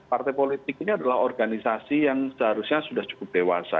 partai politik ini adalah organisasi yang seharusnya sudah cukup dewasa